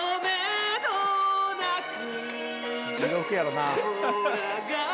地獄やろな。